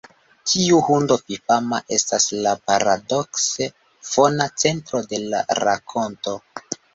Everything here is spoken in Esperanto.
Tiu hundo fifama estas la paradokse fona centro de la rakonto.